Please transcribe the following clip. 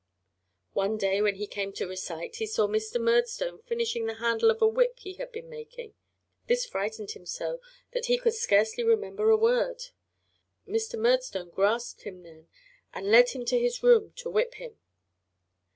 One day when he came to recite he saw Mr. Murdstone finishing the handle of a whip he had been making. This frightened him so that he could scarcely remember a word. Mr. Murdstone grasped him then and led him to his room to whip him.